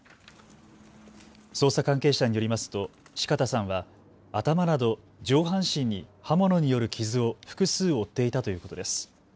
捜査関係者によりますと四方さんは頭など上半身に刃物による傷を複数、負っていたということです。